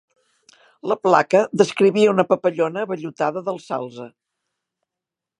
La placa descrivia una papallona vellutada del salze.